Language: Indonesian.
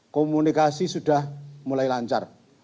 komunikasi sudah mulai lancar